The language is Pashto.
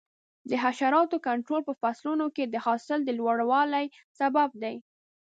د حشراتو کنټرول په فصلونو کې د حاصل د لوړوالي سبب دی.